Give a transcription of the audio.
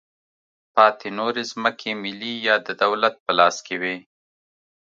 پاتې نورې ځمکې ملي یا د دولت په لاس کې وې.